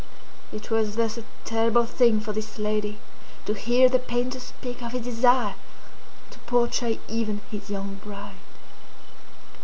It was thus a terrible thing for this lady to hear the painter speak of his desire to portray even his young bride.